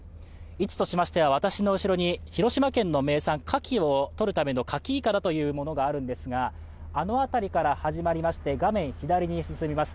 位置としましては、私の後ろに広島県の名産、かきをとるためのかきいかだというものがあるんですが、あの辺りから始まりまして画面左に進みます。